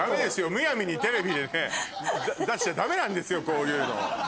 むやみにテレビで出しちゃダメなんですよこういうの。